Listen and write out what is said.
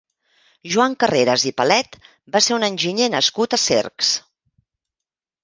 Joan Carreres i Palet va ser un enginyer nascut a Cercs.